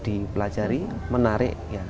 dipelajari menarik ya